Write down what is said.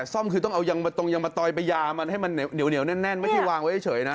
ซ่อมคือต้องเอายังตรงยังมาตอยไปยามันให้มันเหนียวแน่นไม่ใช่วางไว้เฉยนะ